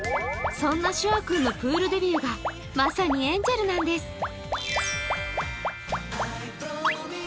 そんなショア君のプールデビューがまさにエンジェルなんです。